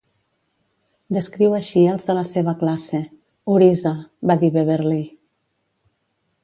Descriu així els de la seva classe: "Orisa", va dir Beverley.